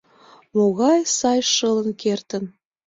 Могай сай, шылын кертын!